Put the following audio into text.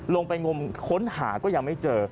ลงไปงมค้นหาก็ยังไม่เจอ